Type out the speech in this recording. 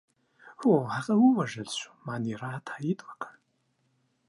هو، هغه ووژل شو، مانیرا تایید وکړه.